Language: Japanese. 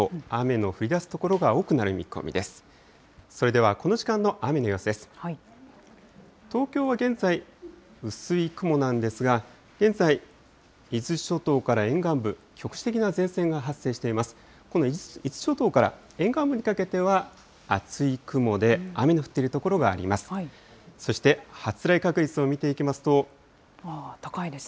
この伊豆諸島から沿岸部にかけては厚い雲で、雨の降っている所があります。